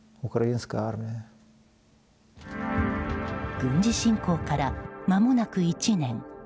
軍事侵攻からまもなく１年。